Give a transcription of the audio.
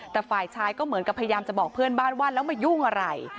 แต่ฝ่ายชายก็เหมือนกับพยายามจะบอกเพื่อนบ้านว่าแล้วมายุ่งอะไร